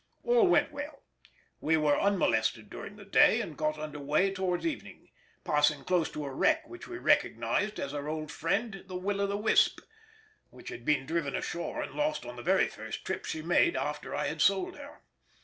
All went well; we were unmolested during the day and got under weigh towards evening, passing close to a wreck which we recognised as our old friend the Will o' the Wisp, which had been driven ashore and lost on the very first trip she made after I had sold her.